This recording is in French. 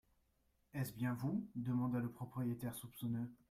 Est-ce bien vous ? demanda le propriétaire soupçonneux.